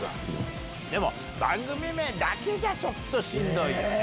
でも番組名だけじゃちょっとしんどいよね。